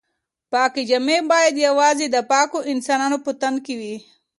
پاکې جامې باید یوازې د پاکو انسانانو په تن کې وي.